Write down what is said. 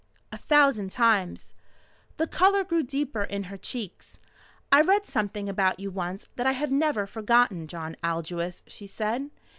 "A thousand times." The colour grew deeper in her cheeks. "I read something about you once that I have never forgotten, John Aldous," she said.